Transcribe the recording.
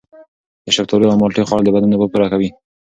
د شفتالو او مالټې خوړل د بدن اوبه پوره کوي.